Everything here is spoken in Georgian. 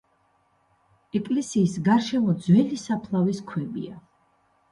ეკლესიის გარშემო ძველი საფლავის ქვებია.